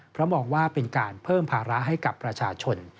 เพราะมองว่าเป็นการเพิ่มภาระให้กับประชาชน